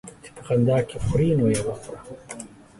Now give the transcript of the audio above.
چي په خندا کې خورې ، نو يې خوره.